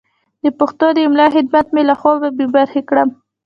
د پښتو د املا خدمت مې له خوبه بې برخې کړم.